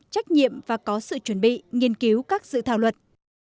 trách nhiệm và có sự chuẩn bị nghiên cứu các dự thảo luật